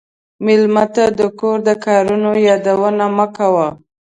مېلمه ته د کور د کارونو یادونه مه کوه.